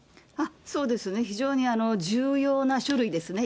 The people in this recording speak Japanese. そうですね、非常に重要な書類ですね。